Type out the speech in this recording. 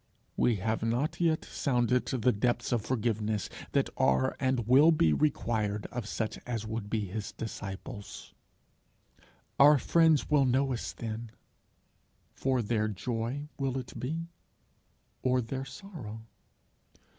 We have not yet sounded the depths of forgiveness that are and will be required of such as would be his disciples! Our friends will know us then: for their joy, will it be, or their sorrow?